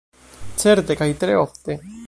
Certe, kaj tre ofte.